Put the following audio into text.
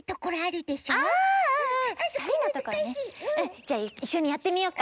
じゃあいっしょにやってみよっか。